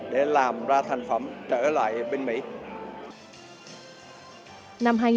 để làm ra thành phẩm trở lại bên mỹ